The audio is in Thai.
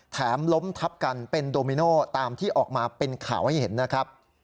ล้มทับกันเป็นโดมิโนตามที่ออกมาเป็นข่าวให้เห็นนะครับ